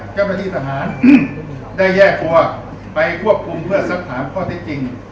เจ้าหน้าที่ทหารได้แยกตัวไปควบคุมเพื่อสักถามข้อเท็จจริง